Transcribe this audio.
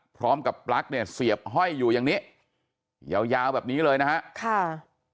ปลั๊กเนี่ยเสียบห้อยอยู่อย่างนี้ยาวยาวแบบนี้เลยนะฮะค่ะ